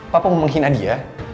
papa mau menghina dia